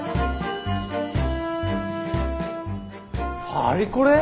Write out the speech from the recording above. パリコレ？